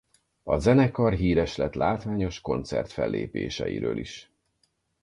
A zenekar híres lett látványos koncert-fellépéseiről is.